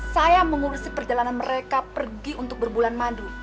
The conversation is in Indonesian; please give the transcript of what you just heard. saya mengurusi perjalanan mereka pergi untuk berbulan madu